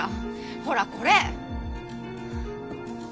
ほらこれ！